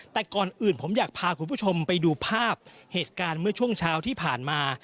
แต่ก่อนอื่นผมอยากพาคุณผู้ชมไปดูภาพเหตุการณ์เมื่อช่วงเช้าที่ผ่านมา